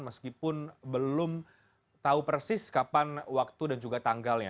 meskipun belum tahu persis kapan waktu dan juga tanggalnya